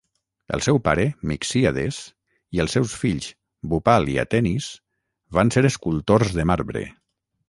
El seu pare, Miccíades, i els seus fills, Bupal i Atenis, van ser escultors de marbre.